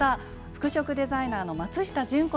服飾デザイナーの松下純子さんです。